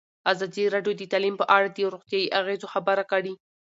ازادي راډیو د تعلیم په اړه د روغتیایي اغېزو خبره کړې.